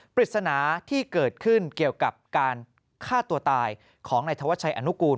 ปริศนาที่เกิดขึ้นเกี่ยวกับการฆ่าตัวตายของนายธวัชชัยอนุกูล